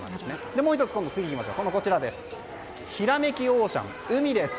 もう１つヒラメキオーシャン、海です。